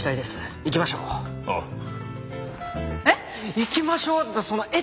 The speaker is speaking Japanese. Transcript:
行きましょうって